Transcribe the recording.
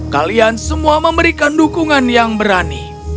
kalian semua memberikan dukungan yang berani